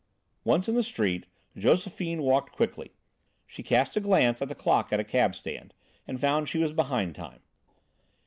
Once in the street, Josephine walked quickly. She cast a glance at the clock at a cabstand, and found she was behind time.